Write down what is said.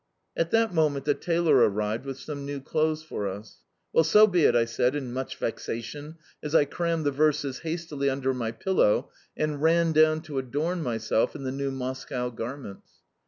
At that moment the tailor arrived with some new clothes for us. "Well, so be it!" I said in much vexation as I crammed the verses hastily under my pillow and ran down to adorn myself in the new Moscow garments.